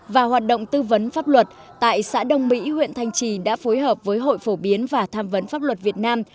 và hoạt động tư vấn pháp luật tại xã đông mỹ huyện thanh trì đã phối hợp với hội phổ biến và tham vấn pháp luật việt nam